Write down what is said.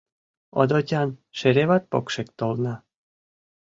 Одотян шереват покшек толна.